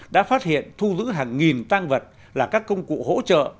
đã phát hiện thu giữ hàng nghìn tăng vật là các công cụ hỗ trợ